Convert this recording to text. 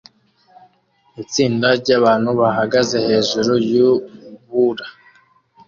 Itsinda ryabantu bahagaze hejuru yubura